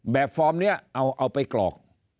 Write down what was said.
แบบฟอร์มเนี่ยเอาไปกรอก